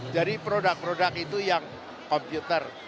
jadi produk produk itu yang komputer